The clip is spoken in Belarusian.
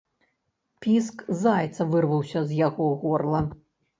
Піск зайца вырваўся з яго горла.